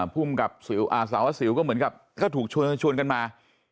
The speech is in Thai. ผู้อุ้มกับสาวศิลป์ก็เหมือนกับถูกชวนกันมา